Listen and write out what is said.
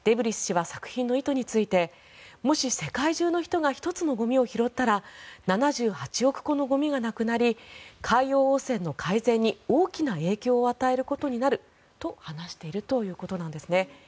デブリス氏は作品の意図についてもし世界中の人が１つのゴミを拾ったら７８億個のゴミが減り海洋汚染の改善に大きな影響を与えることになると話しているということです。